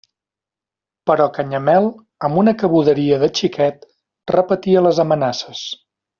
Però Canyamel, amb una cabuderia de xiquet, repetia les amenaces.